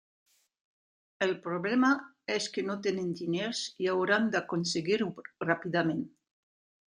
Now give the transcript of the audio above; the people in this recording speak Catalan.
El problema és que no tenen diners i hauran d'aconseguir-ho ràpidament.